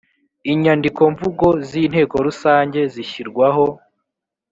inyandiko mvugo z inteko rusange zishyirwaho